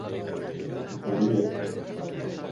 Tu boriyî.